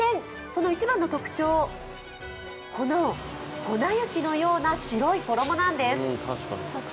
その一番の特徴、この粉雪のような白い衣なんです。